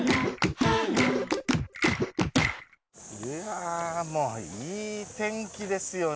あぁもういい天気ですよね。